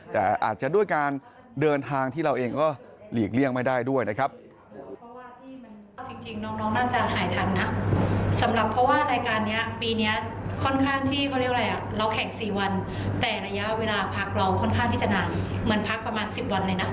แต่อาจจะด้วยการเดินทางที่เราเองก็หลีกเลี่ยงไม่ได้ด้วยนะครับ